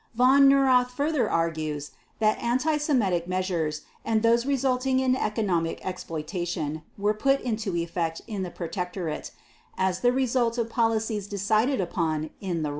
Von Neurath further argues that anti Semitic measures and those resulting in economic exploitation were put into effect in the Protectorate as the result of policies decided upon in the Reich.